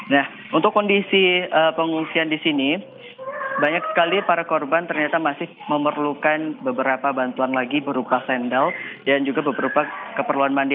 nah untuk kondisi pengungsian di sini banyak sekali para korban ternyata masih memerlukan beberapa bantuan lagi berupa sendal dan juga beberapa keperluan mandi